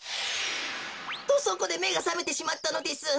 とそこでめがさめてしまったのです。